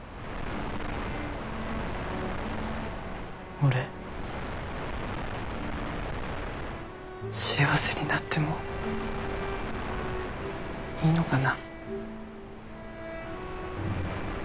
俺幸せになってもいいのかな。